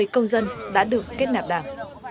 một mươi công dân đã được kết nạp đảm